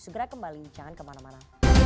segera kembali jangan kemana mana